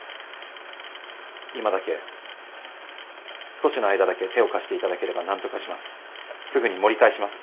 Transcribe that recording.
今だけ少しの間だけ手を貸して頂ければなんとかします。